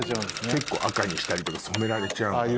結構赤にしたりとか染められちゃうの。